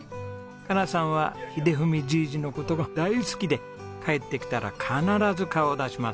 加奈さんは英文じいじの事が大好きで帰ってきたら必ず顔を出します。